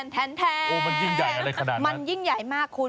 มันยิ่งใหญ่มากคุณ